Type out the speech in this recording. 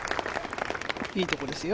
いいところですよ。